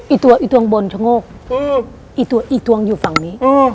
ไอ้ตัวไอ้ตัวงบนชะโงกไอ้ตัวไอ้ตัวงอยู่ฝั่งนี้